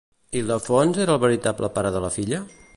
Ildefons era el veritable pare de la filla?